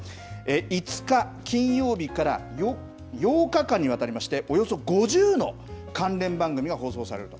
５日金曜日から８日間にわたりまして、およそ５０の関連番組が放送されると。